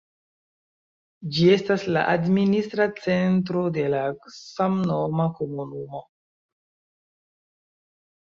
Ĝi estas la administra centro de la samnoma komunumo.